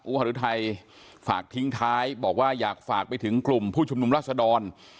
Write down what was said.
หารุทัยฝากทิ้งท้ายบอกว่าอยากฝากไปถึงกลุ่มผู้ชุมนุมราชดร